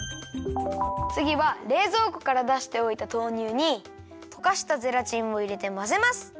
つぎはれいぞうこからだしておいた豆乳にとかしたゼラチンをいれてまぜます。